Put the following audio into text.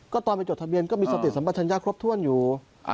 ก็ตอนไปจดทะเบียนก็มีสติสัมปัชญาครบถ้วนอยู่